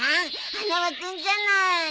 花輪君じゃない。